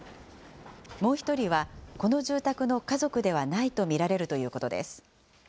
もう１人はこの住宅の家族ではないと見られるということです。